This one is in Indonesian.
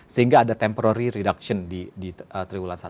sehingga ada temporary reduction di triwulan satu